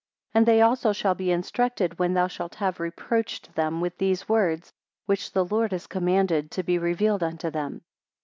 12 And they also shall be instructed, when thou shalt have reproached them with these words, which the Lord has commanded to be revealed unto them.